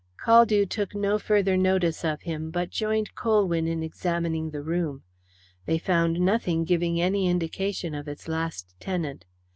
Caldew took no further notice of him, but joined Colwyn in examining the room. They found nothing giving any indication of its last tenant.